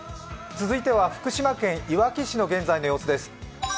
続いては、福島県いわき市の現在の様子です。